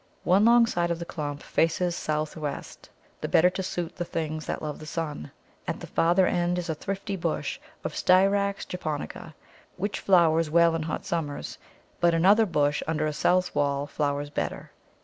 One long side of the clump faces south west, the better to suit the things that love the sun. At the farther end is a thrifty bush of Styrax japonica, which flowers well in hot summers, but another bush under a south wall flowers better.